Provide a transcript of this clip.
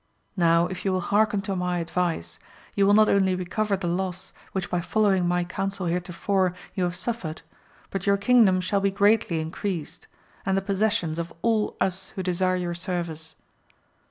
Now if you will hearken to my advice, you will not only recover the loss, which by following my counsel heretofore, you have suffered ; but your kingdom shall be greatly in creased, and the possessions of all us who desire your service.